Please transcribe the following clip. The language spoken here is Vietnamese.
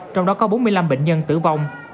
trong đó có bốn mươi năm bệnh nhân tử vong